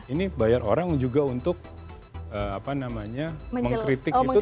ini bayar orang juga untuk apa namanya mengkritik itu